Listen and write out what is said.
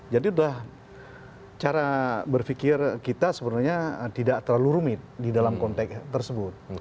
jadi sudah cara berpikir kita sebenarnya tidak terlalu rumit di dalam konteks tersebut